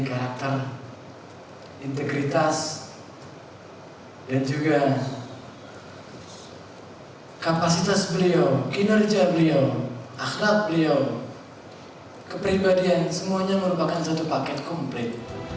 akhlat beliau kepribadian semuanya merupakan satu paket komplit